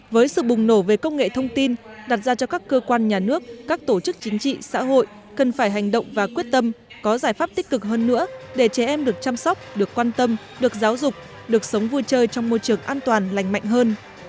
với sự bùng nổ về công nghệ thông tin đặt ra cho các cơ quan nhà nước các tổ chức chính trị xã hội cần phải hành động và quyết tâm có giải pháp tích cực hơn nữa để trẻ em được chăm sóc được quan tâm được giáo dục được sống vui chơi trong môi trường an toàn lành mạnh hơn